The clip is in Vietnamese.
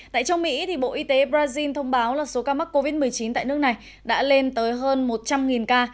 tại châu mỹ bộ y tế brazil thông báo là số ca mắc covid một mươi chín tại nước này đã lên tới hơn một trăm linh ca